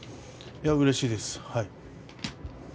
うれしいです。